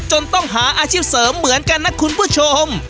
จนต้องหาอาชีพเสริมเหมือนกันนะคุณผู้ชม